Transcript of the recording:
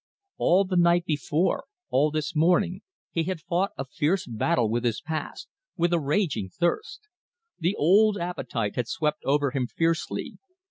All the night before, all this morning, he had fought a fierce battle with his past with a raging thirst. The old appetite had swept over him fiercely.